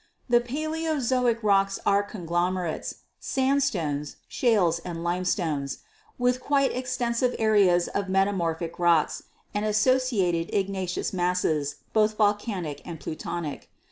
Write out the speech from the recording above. The Paleozoic rocks are conglomerates, sandstones, shales and limestones, with quite extensive areas of metamorphic rocks, and associated igneous masses, both volcanic and plutonic.